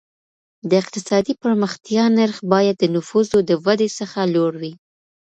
د اقتصادي پرمختیا نرخ باید د نفوسو د ودي څخه لوړ وي.